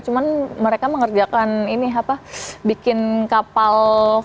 cuma mereka mengerjakan ini apa bikin kapal